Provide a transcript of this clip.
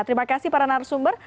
terima kasih para narasumber